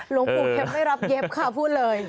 หลวงปู่เข็มไม่รับเย็บค่ะพูดเลย